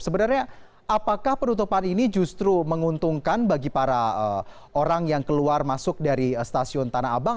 sebenarnya apakah penutupan ini justru menguntungkan bagi para orang yang keluar masuk dari stasiun tanah abang